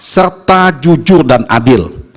serta jujur dan adil